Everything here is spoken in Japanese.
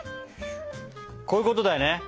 こういうことだよね？